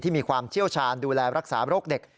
มีความเชี่ยวชาญดูแลรักษาโรคเด็ก